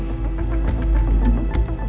aku mau ketemu riki